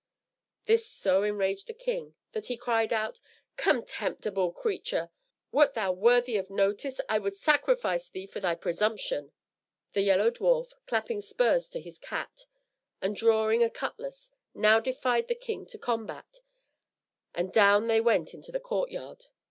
This so enraged the king, that he cried out, "Contemptible creature! wert thou worthy of notice, I would sacrifice thee for thy presumption." The Yellow Dwarf, clapping spurs to his cat, and drawing a cutlass, now defied the king to combat; and down they went into the courtyard.